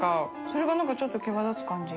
修譴何かちょっと際立つ感じ。